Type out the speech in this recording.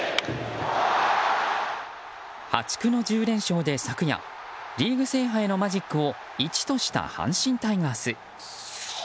破竹の１０連勝で昨夜リーグ制覇へのマジックを１とした、阪神タイガース。